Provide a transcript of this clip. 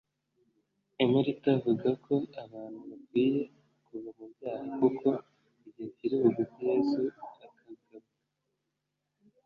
Emeritha avuga ko abantu bakwiye kuva mu byaha kuko igihe kiri bugufi Yesu akagaruka